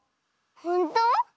ほんと？